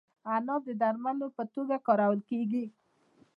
عناب د درملو په توګه کارول کیږي.